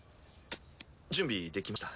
準備できました。